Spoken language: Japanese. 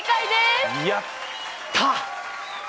やった！